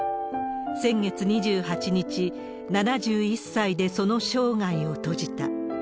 先月２８日、７１歳でその生涯を閉じた。